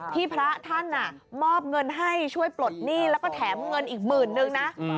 พระท่านมอบเงินให้ช่วยปลดหนี้แล้วก็แถมเงินอีกหมื่นนึงนะ